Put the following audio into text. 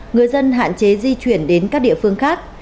người dân hạn chế di chuyển đến các địa phương khác